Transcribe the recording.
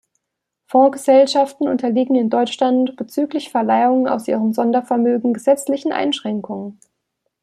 Fondsgesellschaften unterliegen in Deutschland bezüglich Verleihungen aus ihren Sondervermögen gesetzlichen Einschränkungen.